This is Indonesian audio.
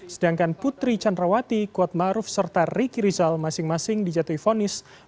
sedangkan putri candrawati kuatmaruf serta riki rizal masing masing dijatuhi vonis